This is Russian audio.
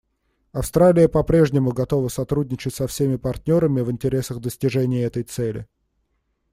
Австралия попрежнему готова сотрудничать со всеми партнерами в интересах достижения этой цели.